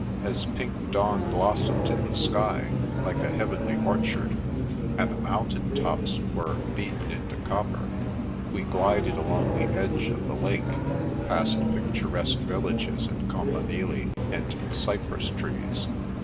As pink dawn blossomed in the sky, like a heavenly orchard, and the mountain tops were beaten into copper, we glided along the edge of the lake, past picturesque villages and campanili, and cjrpress trees.